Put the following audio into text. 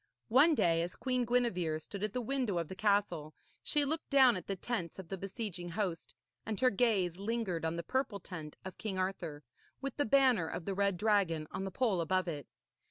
One day, as Queen Gwenevere stood at a window of the castle, she looked down at the tents of the besieging host, and her gaze lingered on the purple tent of King Arthur, with the banner of the red dragon on the pole above it.